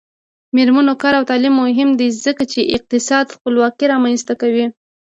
د میرمنو کار او تعلیم مهم دی ځکه چې اقتصادي خپلواکۍ رامنځته کوي.